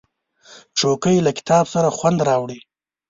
چوکۍ له کتاب سره خوند راوړي.